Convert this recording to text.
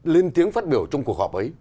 lên tiếng phát biểu trong cuộc họp ấy